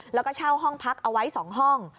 แล้วก็เช่าห้องพักเอาไว้๒ห้อง